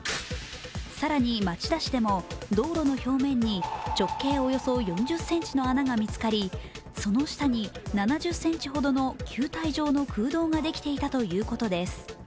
更に町田市で道路の表面に直径およそ４０ｃｍの穴が見つかりその下に７０ｃｍほどの球体状の空洞ができていたということです。